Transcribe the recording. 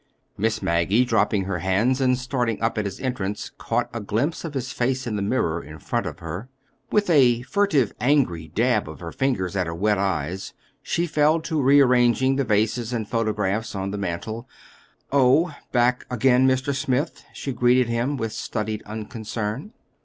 Miss Maggie, dropping her hands and starting up at his entrance, caught a glimpse of his face in the mirror in front of her. With a furtive, angry dab of her fingers at her wet eyes, she fell to rearranging the vases and photographs on the mantel. "Oh, back again, Mr. Smith?" she greeted him, with studied unconcern.